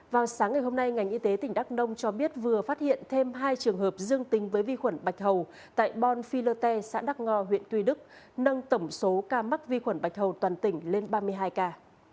vào sáng ngày hôm nay ngành y tế tỉnh đắk nông cho biết vừa phát hiện thêm hai trường hợp dương tính với vi khuẩn bạch hầu tại bon phi lơ tê xã đắk ngo huyện tuy đức nâng tổng số ca mắc vi khuẩn bạch hầu toàn tỉnh lên ba mươi hai ca